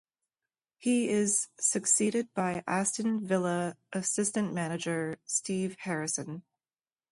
He is succeeded by Aston Villa assistant manager Steve Harrison.